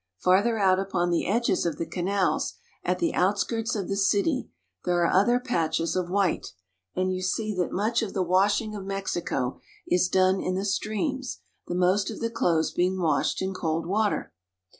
Farther out upon the edges of the canals, at the outskirts of the city, there are other patches of white ; and you see that much of the washing of Mexico is done in the streams, the most of the clothes being washed in cold water.